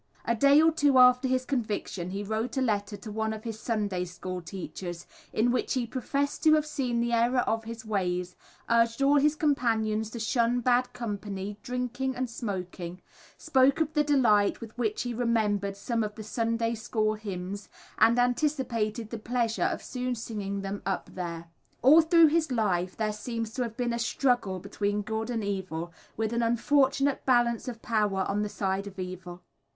A day or two after his conviction he wrote a letter to one of his Sunday school teachers, in which he professed to have seen the error of his ways, urged all his companions to shun bad company, drinking and smoking, spoke of the delight with which he remembered some of the Sunday school hymns, and anticipated the pleasure of soon singing them "up there." All through his life there seems to have been a struggle between good and evil, with an unfortunate balance of power on the side of evil.